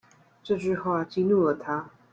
這句話激怒了他